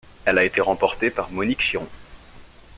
Elle a été remportée par Monique Chiron.